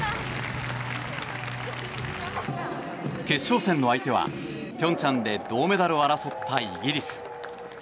決勝戦の相手は平昌で銅メダルを争ったイギリス。